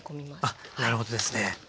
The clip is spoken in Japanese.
あっなるほどですね。